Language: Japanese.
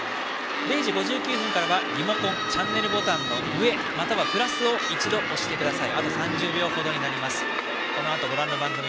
０時５９分からはチャンネルボタンの上またはプラスを一度押してください。